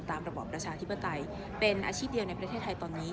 ระบอบประชาธิปไตยเป็นอาชีพเดียวในประเทศไทยตอนนี้